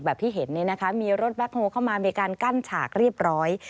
ที่เห็นเนี่ยนะคะมีรถแบ็คโฮเข้ามามีการกั้นฉากเรียบร้อย